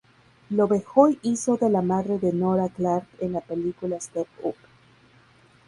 Lovejoy hizo de la madre de Nora Clark en la película "Step Up".